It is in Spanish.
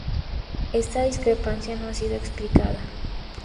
Esta discrepancia no ha sido explicada.